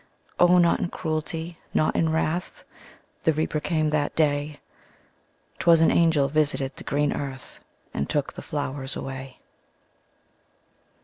O, not in cruelty, not in wrath, The Reaper came that day; 'Twas an angel visited the green earth, And took the flowers away.